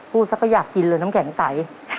สักก็อยากกินเลยน้ำแข็งใส